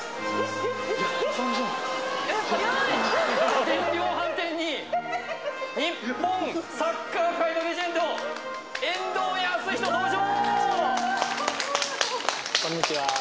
家電量販店に日本サッカー界のレジェンド遠藤保仁登場！